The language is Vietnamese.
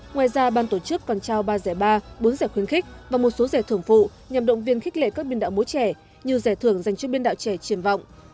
ngoài ra ban tổ chức còn trao ba giải ba bốn giải khuyến khích và một số giải thưởng phụ nhằm động viên khích lệ các biên đạo múa trẻ như giải thưởng dành cho biên đạo trẻ triềm vọng